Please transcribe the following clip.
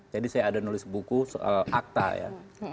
jadi saya ada nulis buku akta ya